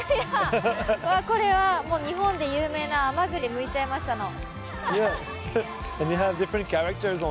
これは日本で有名な甘栗むいちゃいましたの。